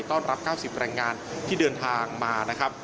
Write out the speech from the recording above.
รับ๙๐แรงงานที่เดินทางมานะครับ